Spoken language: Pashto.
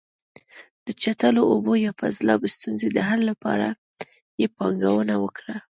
د چټلو اوبو یا فاضلاب ستونزې د حل لپاره یې پانګونه وکړه.